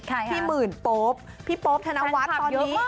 พี่หมื่นโป๊ปพี่โป๊บธนวัฒน์ตอนนี้